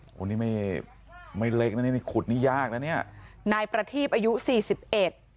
โอ้โหนี่ไม่ไม่เล็กนะนี่นี่ขุดนี่ยากนะเนี้ยนายประทีบอายุสี่สิบเอ็ด